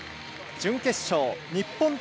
準決勝日本対